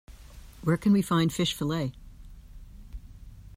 Where can we find fish fillet?